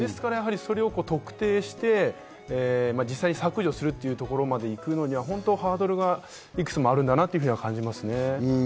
それを特定して、実際に削除するというところまで行くにはハードルがいくつもあるんだなと感じましたね。